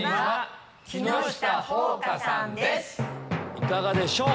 いかがでしょう？